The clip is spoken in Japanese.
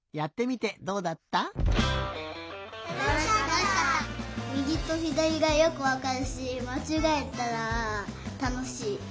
みぎとひだりがよくわかるしまちがえたらたのしい。